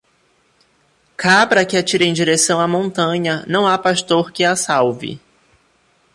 Cabra que atira em direção à montanha, não há pastor que a salve.